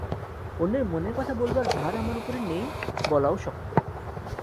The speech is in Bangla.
অন্যের মনের কথা বলবার ভার আমার উপরে নেই, বলাও শক্ত।